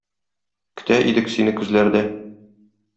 Көтә идек сине көзләрдә.